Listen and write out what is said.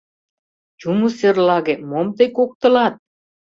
— Юмо серлаге, мом тый куктылат?